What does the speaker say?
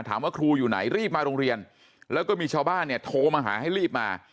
ถามว่าครูอยู่ไหนรีบมาโรงเรียนแล้วก็มีชาวบ้านเนี่ยโทรมาหาให้รีบมา